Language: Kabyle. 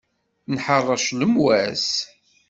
Nḥeṛṛec lemwas.